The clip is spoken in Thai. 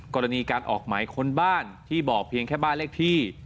กรณีการออกหมายค้นบ้านที่บอกเพียงแค่บ้านเลขที่